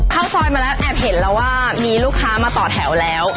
เข้าซอยมาแล้วแอบเห็นแล้วว่ามีลูกค้ามาต่อแถวแล้ว